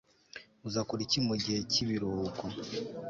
uzakora iki mugihe cyibiruhuko